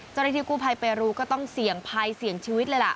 เจ้าหน้าที่กู้ภัยไปรู้ก็ต้องเสี่ยงภัยเสี่ยงชีวิตเลยล่ะ